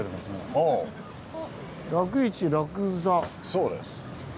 そうです。